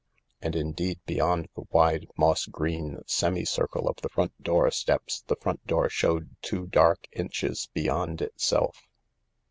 And indeed, beyond the wide, moss green semi circle of the front door steps the front door showed two dark inches beyond itself.